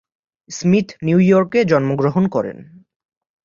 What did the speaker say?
Smith New ইয়র্কে জন্মগ্রহণ করেন।